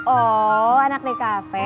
oh anak nekafe